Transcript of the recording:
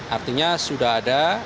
artinya sudah ada